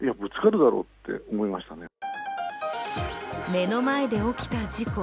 目の前で起きた事故。